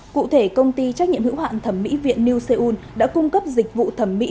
cụ thể công ty trách nhiệm hữu hạn thẩm mỹ viện new seul đã cung cấp dịch vụ thẩm mỹ